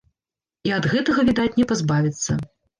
І ад гэтага, відаць, не пазбавіцца.